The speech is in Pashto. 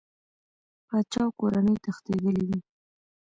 پاچا او کورنۍ تښتېدلي دي.